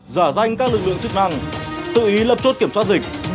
giả danh các lực lượng chức năng tự ý lập chốt kiểm soát dịch